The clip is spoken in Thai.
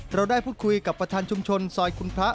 เราได้พูดคุยกับประธานชุมชนซอยคุณพระ